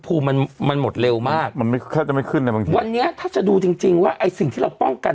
ภูมิมันหมดเร็วมากวันนี้ถ้าจะดูจริงว่าไอ้สิ่งที่เราป้องกัน